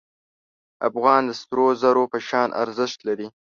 افغان د سرو زرو په شان ارزښت لري.